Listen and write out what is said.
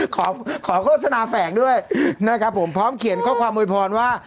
ขอขอโฆษณาแฝงด้วยนะครับผมพร้อมเขียนข้อความโวยพรว่า